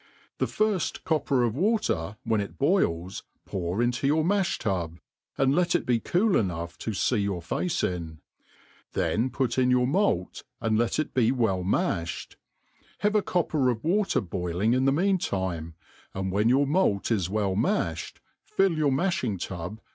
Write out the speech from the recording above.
The firf{ copper of water, when it boils, pour into your ]lia(h tub, and let it be cool enough to fee your face in; then put in your malt, and let it be well malhcd; have a copper of water boiling in the mean time, and when your malt is welt niafhed, fill your maihing tub